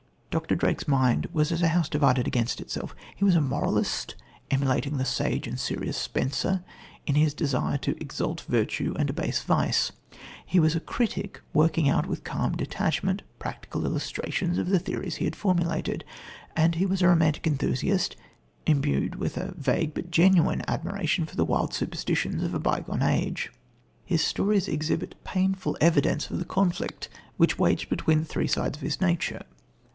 Dr. Drake's mind was as a house divided against itself: he was a moralist, emulating the "sage and serious Spenser" in his desire to exalt virtue and abase vice, he was a critic working out, with calm detachment, practical illustrations of the theories he had formulated, and he was a romantic enthusiast, imbued with a vague but genuine admiration for the wild superstitions of a bygone age. His stories exhibit painful evidence of the conflict which waged between the three sides of his nature.